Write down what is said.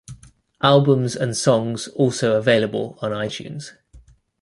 Albums and songs also available on iTunes.